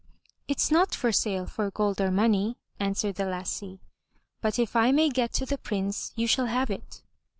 "It's not for sale for gold or money," answered the lassie. *'But if I may get to the Prince, you shall have it.